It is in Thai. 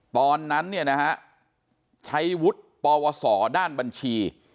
ตอนนั้นใช้วุฒิปวสอด้านบัญชี